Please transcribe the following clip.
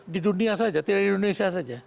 di dunia saja tidak di indonesia saja